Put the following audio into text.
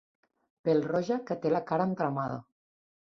Pèl-roja que té la cara entramada.